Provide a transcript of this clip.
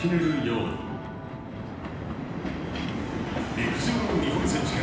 陸上の日本選手権。